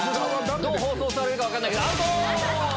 どう放送されるか分かんないけど。